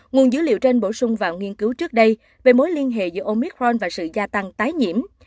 nguồn dữ liệu trên bổ sung vào nghiên cứu trước đây về mối liên hệ giữa omicron và sự gia tăng tái nhiễm